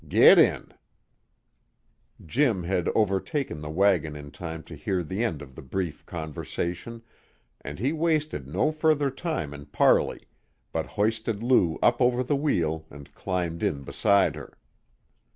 Git in." Jim had overtaken the wagon in time to hear the end of the brief conversation, and he wasted no further time in parley, but hoisted Lou up over the wheel and climbed in beside her.